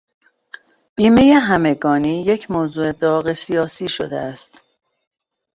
بیمهی همگانی یک موضوع داغ سیاسی شده است.